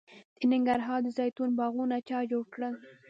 د ننګرهار د زیتون باغونه چا جوړ کړل؟